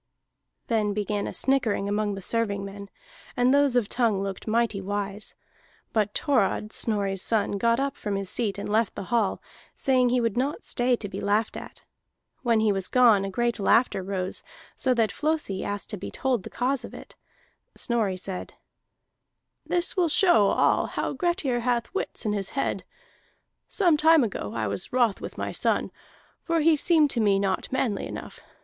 Then began a snickering among the servingmen, and those of Tongue looked mighty wise. But Thorod, Snorri's son, got up from his seat and left the hall, saying he would not stay to be laughed at. When he was gone a great laughter rose, so that Flosi asked to be told the cause of it. Snorri said: "This will show all how Grettir has wits in his head. Some time ago I was wroth with my son, for he seemed to me not manly enough.